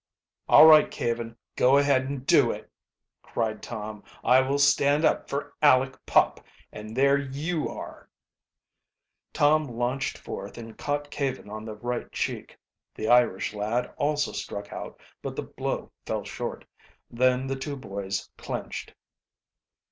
"All right, Caven, go ahead and do it," cried Tom. "I will stand up for Aleck Pop, and there you are!" Tom launched forth and caught Caven on the right cheek. The Irish lad also struck out, but the blow fell short. Then the two boys clinched.